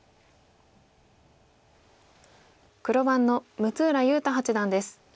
黒番の六浦雄太八段です。